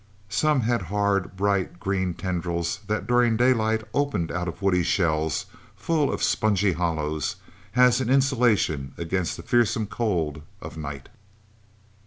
Some had hard, bright green tendrils, that during daylight, opened out of woody shells full of spongy hollows as an insulation against the fearsome cold of night.